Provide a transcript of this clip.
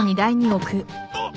あっ！